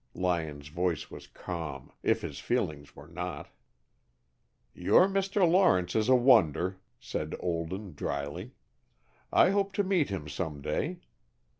Lyon's voice was calm, If his feelings were not. "Your Mr. Lawrence is a wonder," said Olden, drily. "I hope to meet him some day.